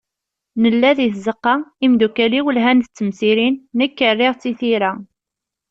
Nella di tzeqqa, imeddukkal-iw, lhan-d d temsirin, nekk rriɣ-tt i tira.